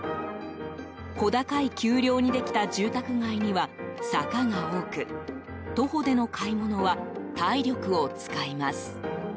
小高い丘陵にできた住宅街には坂が多く徒歩での買い物は体力を使います。